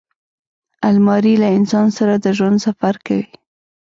الماري له انسان سره د ژوند سفر کوي